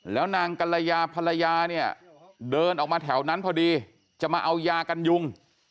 แล้วนางกัลยาภรรยาเนี่ยเดินออกมาแถวนั้นพอดีจะมาเอายากันยุง